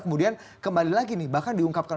kemudian kembali lagi nih bahkan diungkapkan